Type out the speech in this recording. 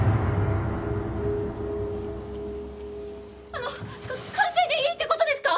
あの完成でいいって事ですか？